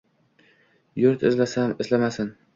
юрт изламасин!